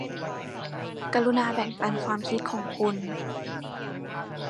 กรุณาแบ่งปันความคิดเห็นของคุณ